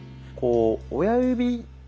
こう親指